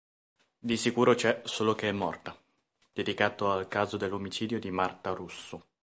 Di sicuro c'è solo che è morta", dedicato al caso dell'omicidio di Marta Russo